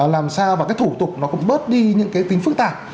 làm sao và thủ tục nó cũng bớt đi những tính phức tạp